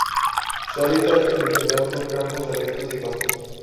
Su hábitat original son campos abiertos y pastos.